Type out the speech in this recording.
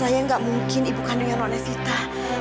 saya gak mungkin ibu kandungnya non evita